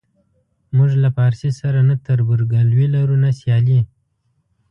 موږ له پارسي سره نه تربورګلوي لرو نه سیالي.